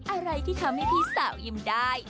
อะไรที่ทำให้พี่สาวอิ่มได้